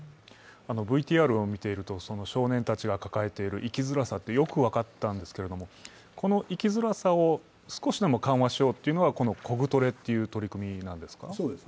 ＶＴＲを見ていると、少年たちが抱えている生きづらさってよく分かったんですけどこの生きづらさを少しでも緩和しようというのがこのコグトレという取り組みなんですか？